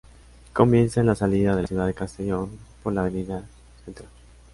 Comienza en la salida de la ciudad de Castellón por la Avenida Ctra.